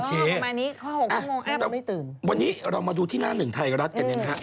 แต่วันนี้เรามาดูที่หน้าหนึ่งไทยกับรัฐกันนี่นะครับ